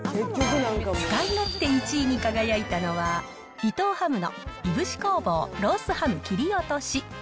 使い勝手１位に輝いたのは、伊藤ハムの燻工房ロースハム切り落とし。